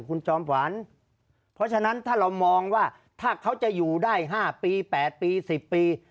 คุณจอมขวัญเพราะฉะนั้นถ้าเรามองว่าถ้าเขาจะอยู่ได้๕ปี๘ปี๑๐ปี